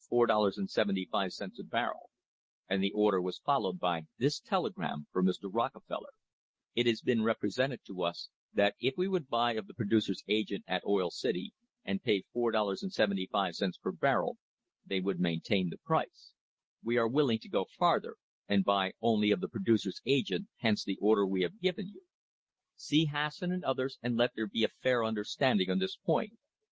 75 a barrel — and the order was followed by this telegram from Mr. Rockefeller: "It has been represented to us that if we would buy of the producers' agent at Oil City and pay #4. 75 per barrel, they would maintain the price. We are willing to go farther and buy only of the producers' agent, hence the order we have given you. See Hasson and others and let there be a fair understanding on this point.